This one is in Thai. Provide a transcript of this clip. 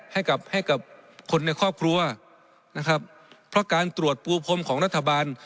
ให้กับให้กับคนในครอบครัวนะครับเพราะการตรวจปูพรมของรัฐบาล